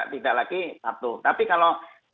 tidak lagi satu tapi kalau